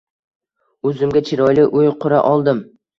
Uzimga chiroyli uy qura oldim